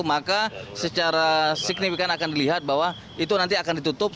maka secara signifikan akan dilihat bahwa itu nanti akan ditutup